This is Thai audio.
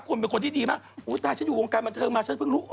คุณเป็นคนที่ดีมากอุ้ยตายฉันอยู่วงการบันเทิงมาฉันเพิ่งรู้